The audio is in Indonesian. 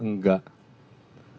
enggak ada izin